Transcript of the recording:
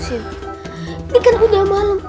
ini kan udah malem